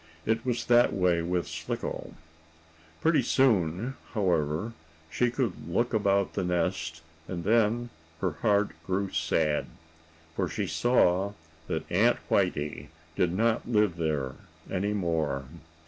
It was that way with Slicko. Pretty soon, however, she could look about the nest, and then her heart grew sad. For she saw that Aunt Whitey did not live there any more.